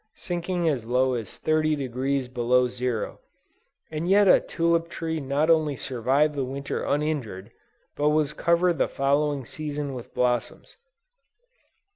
sinking as low as 30° below zero, and yet a tulip tree not only survived the Winter uninjured, but was covered the following season with blossoms.